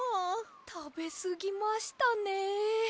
たべすぎましたねえ。